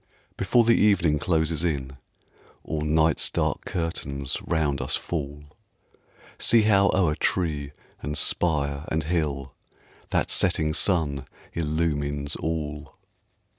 Before the evening closes in, Or night's dark curtains round us fall, See how o'er tree, and spire, and hill, That setting sun illumines all.